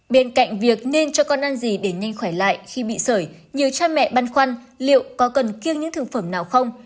bên cạnh việc nên cho con ăn gì để nhanh khỏe lại khi bị sởi nhiều cha mẹ băn khoăn liệu có cần kiêng những thực phẩm nào không